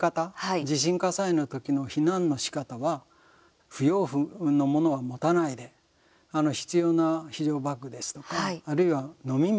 地震火災の時の避難のしかたは不要なものは持たないで必要な非常バッグですとかあるいは飲み水